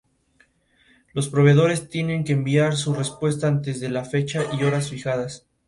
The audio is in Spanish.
La compañía paga a los consumidores por aparatos electrónicos usados o rotos.